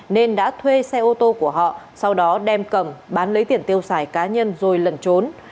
nên đã thuê xe ô tô của họ sau đó đem cầm bán lấy tiền tiêu xài cá nhân rồi lẩn trốn